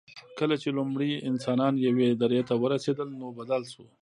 کله چې لومړي انسانان یوې درې ته ورسېدل، نو بدل شو.